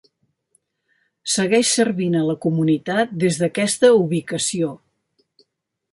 Segueix servint a la comunitat des d'aquesta ubicació.